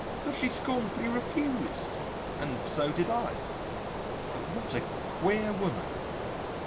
But she scornfully refused. (And so did I.) But what a queer woman!...